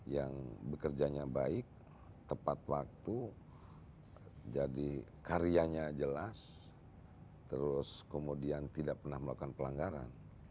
yang bekerjanya baik tepat waktu jadi karyanya jelas terus kemudian tidak pernah melakukan pelanggaran